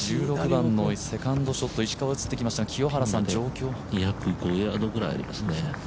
１６番のセカンドショット、状況映ってきましたが２０５ヤードぐらいありますね。